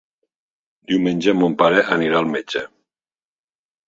Diumenge mon pare anirà al metge.